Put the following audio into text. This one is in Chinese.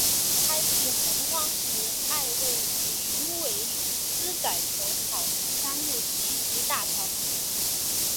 开辟鸿荒石碣位于林尾里狮仔头草岭山路集集大桥旁。